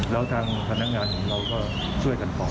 แล้วทางพนักงานของเราก็ช่วยกันต่อ